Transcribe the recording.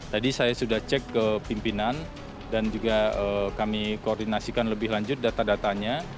tadi saya sudah cek ke pimpinan dan juga kami koordinasikan lebih lanjut data datanya